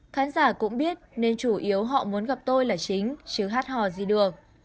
khán giả cũng biết nên chủ yếu họ muốn gặp tôi là chính chứ hát hò gì được